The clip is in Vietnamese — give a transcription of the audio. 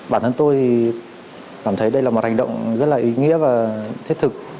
bản thân tôi thì cảm thấy đây là một hành động rất là ý nghĩa và thiết thực